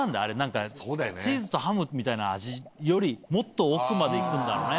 チーズとハムみたいな味よりもっと奥まで行くんだろうね。